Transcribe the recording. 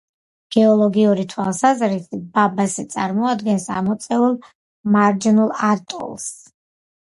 გეოლოგიური თვალსაზრისით, ბაბასე წარმოადგენს ამოწეულ მარჯნულ ატოლს.